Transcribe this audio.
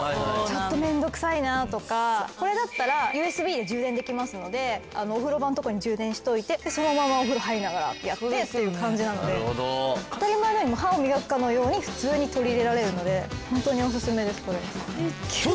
これだったらＵＳＢで充電できますのでお風呂場のとこに充電しておいてそのままお風呂入りながらやってっていう感じなので当たり前のようにもう歯を磨くかのように普通に取り入れられるので本当にオススメですこれ。